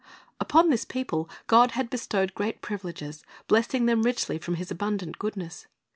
"^ Upon this people God had bestowed great privileges, blessing them richly from His abundant goodness.